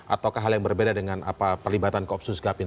atau hal yang berbeda dengan perlibatan koopsus gap ini